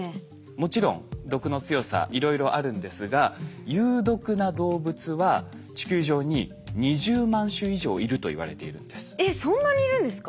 もちろん毒の強さいろいろあるんですがえっそんなにいるんですか？